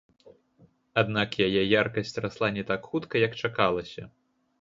Аднак яе яркасць расла не так хутка, як чакалася.